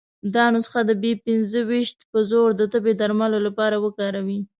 دا نسخه د بي پنځه ویشت په زور د تبې درملو لپاره وکاروي.